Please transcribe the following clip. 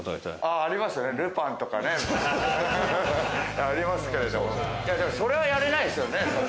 ありますね、ルパンとかね。それはやれないですよね。